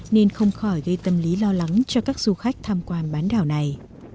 nên không khỏi gây tâm lý lo lắng cho các du khách tham quan bán đảo này